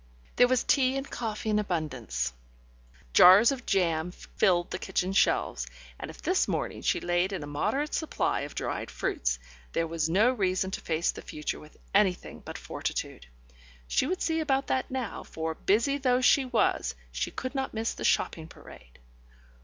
... There was tea and coffee in abundance, jars of jam filled the kitchen shelves, and if this morning she laid in a moderate supply of dried fruits, there was no reason to face the future with anything but fortitude. She would see about that now, for, busy though she was, she could not miss the shopping parade.